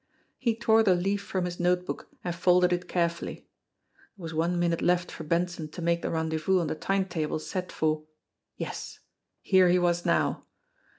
He tore the leaf from his notebook and folded it carefully. There was one minute left for Benson to make the rendez vous on the timetable set for Yes, here he was now